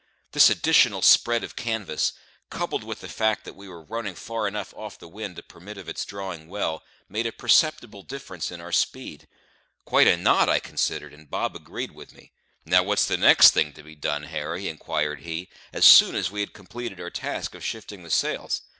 This additional spread of canvas, coupled with the fact that we were running far enough off the wind to permit of its drawing well, made a perceptible difference in our speed quite a knot, I considered, and Bob agreed with me. "Now, what's the next thing to be done, Harry?" inquired he, as soon as we had completed our task of shifting the sails.